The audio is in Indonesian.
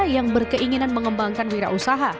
yang berkeinginan mengembangkan wira usaha